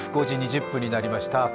５時２０分になりました。